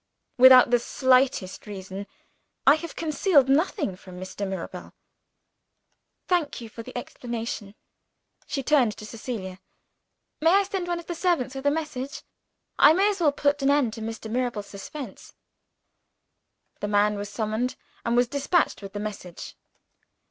"Without the slightest reason. I have concealed nothing from Mr. Mirabel." "Thank you for the explanation." She turned to Cecilia. "May I send one of the servants with a message? I may as well put an end to Mr. Mirabel's suspense." The man was summoned, and was dispatched with the message.